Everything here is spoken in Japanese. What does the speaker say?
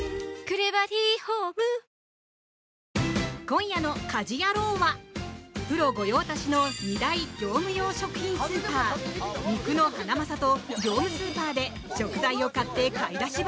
今夜の「家事ヤロウ！！！」はプロ御用達の二大業務用食品スーパー肉のハナマサと業務スーパーで食材を買って買い出し